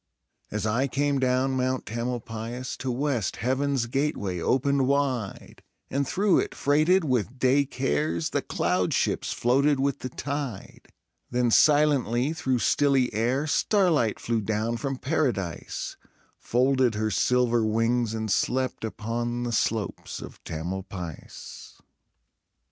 As I came down Mount Tamalpais, To west Heaven's gateway opened wide, And through it, freighted with day cares, The cloud ships floated with the tide; Then, silently through stilly air, Starlight flew down from Paradise, Folded her silver wings and slept Upon the slopes of Tamalpais.